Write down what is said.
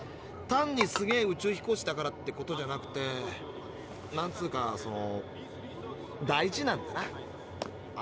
単にすげえ宇宙飛行士だからってことじゃなくてなんつうかその大事なんだな。